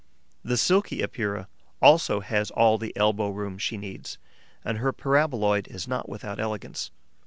The Silky Epeira also has all the elbow room she needs; and her paraboloid is not without elegance.